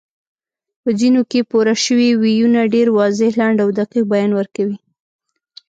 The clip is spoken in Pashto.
په ځینو کې پورشوي ویونه ډېر واضح، لنډ او دقیق بیان ورکوي